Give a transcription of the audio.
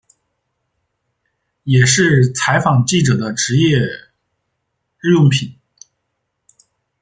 也是采访记者的职业日用品。